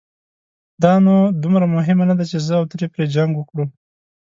دا نو دومره مهمه نه ده، چې زه او ترې پرې جنګ وکړو.